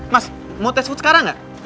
mas mau tes food sekarang nggak